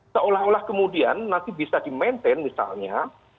seolah olah kemudian nanti bisa di maintain misalnya